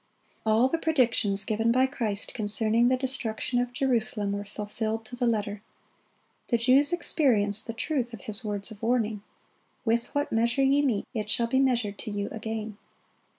All the predictions given by Christ concerning the destruction of Jerusalem were fulfilled to the letter. The Jews experienced the truth of His words of warning, "With what measure ye mete, it shall be measured to you again."